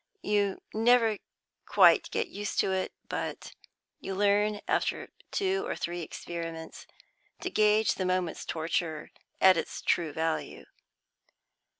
You never quite get used to it, but you learn after two or three experiments to gauge the moment's torture at its true value.